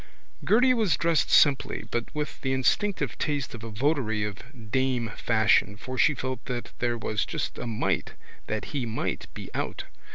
Gerty was dressed simply but with the instinctive taste of a votary of Dame Fashion for she felt that there was just a might that he might be out.